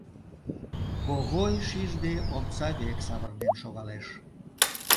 Когой, шижде, омса век савырнен шогалеш.